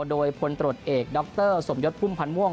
โดยพลตรวจเอกดรสมยศพุ่มพันธ์ม่วง